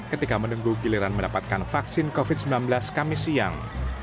ketika menunggu giliran mendapatkan vaksin covid sembilan belas kamis siang